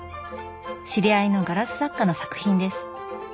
知り合いのガラス作家の作品です。